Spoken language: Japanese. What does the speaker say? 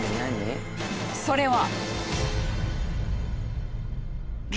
それは。